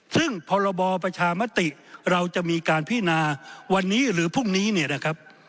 ซึ่งพรบประชามติเราจะมีการพินาวันนี้หรือพรุ่งนี้เนี่ยนะครับ